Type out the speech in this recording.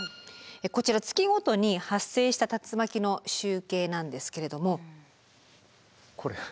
こちら月ごとに発生した竜巻の集計なんですけれども。